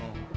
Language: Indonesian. ya ya pak